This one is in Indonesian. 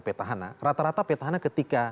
petahana rata rata petahana ketika